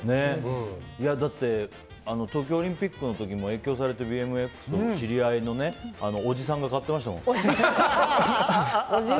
だって東京オリンピックの時も影響されてＢＭＸを知り合いのおじさんが買ってましたもん。